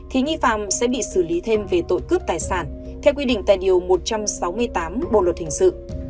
thì nghi phạm sẽ bị xử lý thêm về tội cướp tài sản theo quy định tại điều một trăm sáu mươi tám bộ luật hình sự